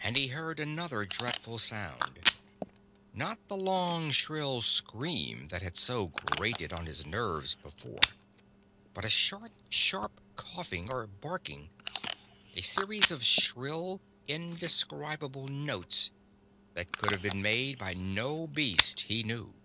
And he heard another dreadful sound not the long, shrill scream that had so grated on his nerves before, but a short, sharp coughing or barking, a series of shrill, indescribable notes that could have been made by no beast he knew.